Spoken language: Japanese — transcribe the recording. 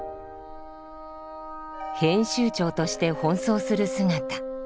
編集長として奔走する姿。